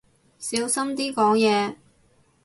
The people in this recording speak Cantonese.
小心啲講嘢